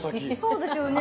そうですよね。